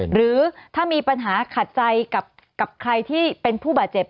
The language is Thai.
หรือถ้ามีปัญหาขัดใจกับใครที่เป็นผู้บาดเจ็บ